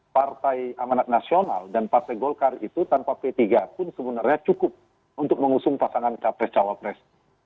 partai amanat nasional dan partai golkar itu tanpa p tiga pun sebenarnya cukup untuk mengusung pasangan capres cawapres